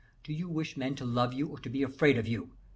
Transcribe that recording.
Do you wish men to love you, or to be afraid of you?